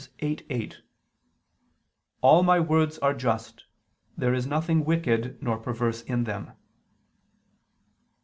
8:8): "All my words are just, there is nothing wicked nor perverse in them."